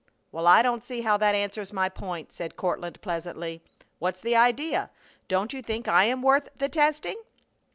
"Well, but I don't see how that answers my point," said Courtland, pleasantly. "What's the idea? Don't you think I am worth the testing?"